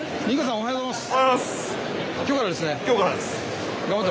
おはようございます。